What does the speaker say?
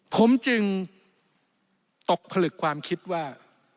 ผมจึงตกผลึกความคิดว่า